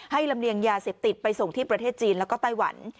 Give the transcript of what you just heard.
ลำเลียงยาเสพติดไปส่งที่ประเทศจีนแล้วก็ไต้หวัน